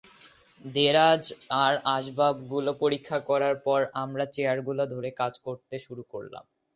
দেরাজ আর আসবাবগুলো পরীক্ষা করার পর আমরা চেয়ারগুলো ধরে কাজ শুরু করলাম।